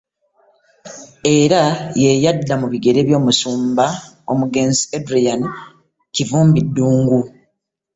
Era ye yadda mu bigere by'omusumba omugenzi Adrian Kivumbi Ddungu